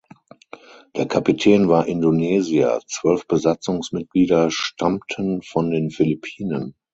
Der Kapitän war Indonesier, zwölf Besatzungsmitglieder stammten von den Philippinen.